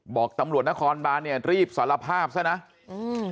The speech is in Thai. บอกตำรวจนครบานเนี่ยรีบสารภาพซะนะอืม